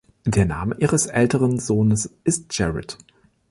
Der Name ihres älteren Sohnes ist Jarrett.